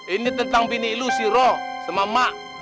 ini tentang bini lu siro sama mak